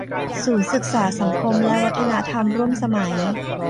ศูนย์ศึกษาสังคมและวัฒนธรรมร่วมสมัย